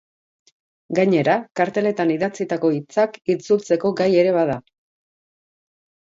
Gainera, karteletan idatzitako hitzak itzultzeko gai ere bada.